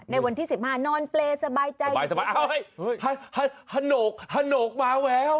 นอนเปรย์สบายใจสบายอ้าวเฮ้ยโหนกโหนกมาแล้ว